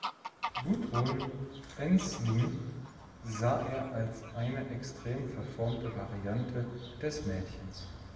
Gudrun Ensslin sah er als eine „extrem verformte Variante“ des Mädchens.